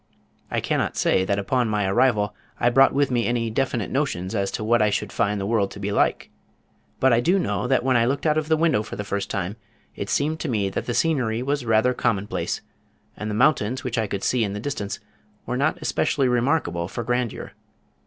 I cannot say that upon my arrival I brought with me any definite notions as to what I should find the world to be like, but I do know that when I looked out of the window for the first time it seemed to me that the scenery was rather commonplace, and the mountains which I could see in the distance, were not especially remarkable for grandeur.